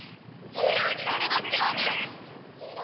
ヒーローになれますように！